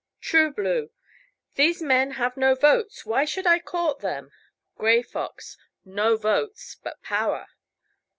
Trueblue. These men have no votes. Why should I court them? Grayfox. No votes, but power.